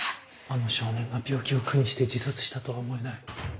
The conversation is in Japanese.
あの少年が病気を苦にして自殺したとは思えない。